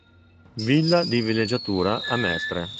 Villa di villeggiatura a Mestre.